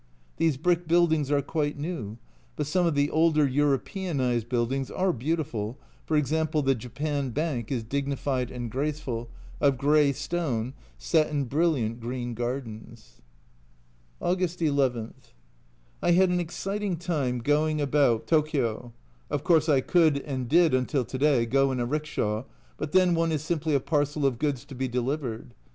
These brick buildings are quite new ; but some of the older Europeanised buildings are beautiful, for example, the Japan Bank is dignified and graceful, of grey stone, set in brilliant green gardens. August II. I had an exciting time going about 4 A Journal from Japan Tokio ; of course I could (and did until to day) go in a rickshaw, but then one is simply a parcel of goods to be delivered.